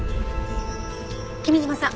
君嶋さん